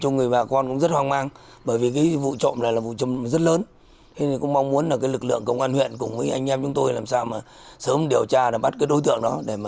gọ lived an hjepokh with the ni anh em chung tui làm sao sẽ sớm điều tra và bắt các đối tượng